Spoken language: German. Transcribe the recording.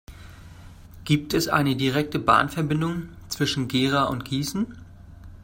Gibt es eine direkte Bahnverbindung zwischen Gera und Gießen?